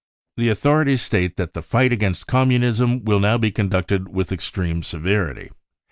c The authorities state that the fight against Communism will now be conducted with extreme severity.